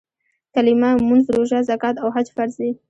کلیمه، مونځ، روژه، زکات او حج فرض دي.